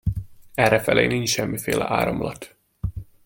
Errefelé nincs semmiféle áramlat!